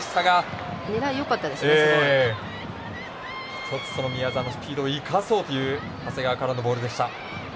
一つ、宮澤のスピードを生かそうという長谷川からのボールでした。